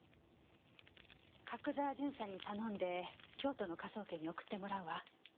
角沢巡査に頼んで京都の科捜研に送ってもらうわ。